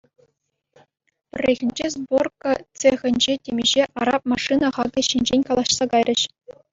Пӗррехинче сборка цехӗнче темиҫе араб машина хакӗ ҫинчен калаҫса кайрӗҫ.